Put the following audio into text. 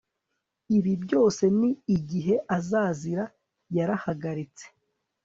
Ibi byose ni igihe azazira Yarahagaritse